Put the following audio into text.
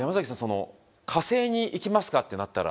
火星に行きますかってなったら行きますか？